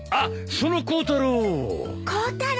その光太郎。